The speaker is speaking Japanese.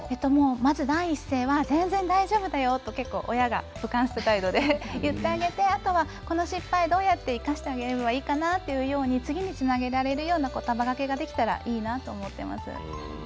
まず第一声は全然大丈夫だよと親が言ってあげてこの失敗をどうやって生かしてあげればいいかなと次につなげられるようなことばがけができたらいいなと思っています。